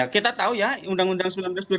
kita tahu ya undang undang sembilan belas dua ribu dua